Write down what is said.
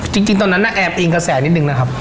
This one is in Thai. จริงตอนนั้นน่ะแอบอิงกระแสนิดนึงนะครับ